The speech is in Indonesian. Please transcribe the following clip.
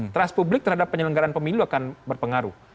trust publik terhadap penyelenggaran pemilu akan berpengaruh